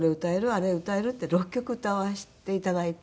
「あれ歌える？」って６曲歌わせていただいて。